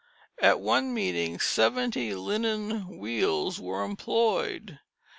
At one meeting seventy linen wheels were employed.